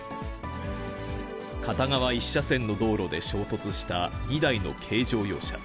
片側１車線の道路で衝突した２台の軽乗用車。